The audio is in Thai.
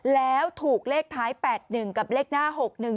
แล้วถูกเลขท้าย๘๑กับเลขหน้า๖๑